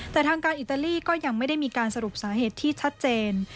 แต่ทางการอิตาลีก็ยังไม่ได้มีการสรุปสาเหตุที่ชัดเจน